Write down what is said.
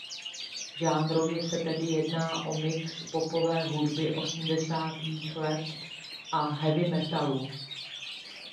Žánrově se tedy jedná o mix popové hudby osmdesátých let a heavy metalu.